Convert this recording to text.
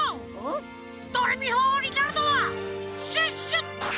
ドレミファおうになるのはシュッシュ！